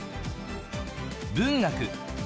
文学。